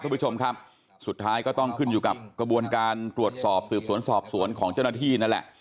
คุณผู้ชมครับสุดท้ายก็ต้องขึ้นอยู่กับกระบวนการตรวจสอบสืบสวนสอบสวนของเจ้าหน้าที่นั่นแหละ